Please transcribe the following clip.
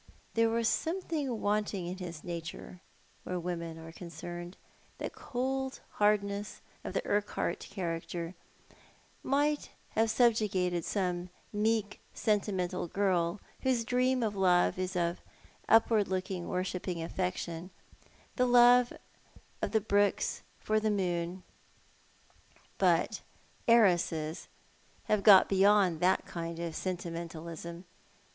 There was a something wanting in his nature where women are concerned. That cold hardness of the Urquhart character might have subjugated some meek, sentimental girl, whose dream of love is of upward looking, worshipping affection— the love of the brooks for the moon — but heiresses have got beyond that kind of sentimen talisra.